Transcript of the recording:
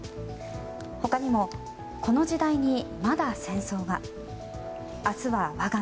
他にも、この時代にまだ戦争が。